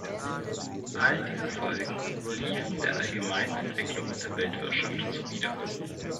All diese Folgen liefen der allgemeinen Entwicklung der Weltwirtschaft zuwider.